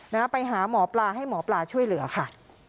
นะฮะไปหาหมอปลาให้หมอปลาช่วยเหลือค่ะ